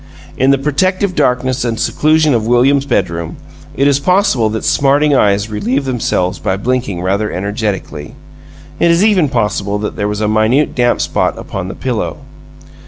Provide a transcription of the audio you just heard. In the protective darkness and seclusion of William's bedroom, it is possible that smarting eyes relieved themselves by blinking rather energetically; it is even possible that there was a minute damp spot upon the pillow.